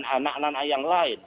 anak anak yang lain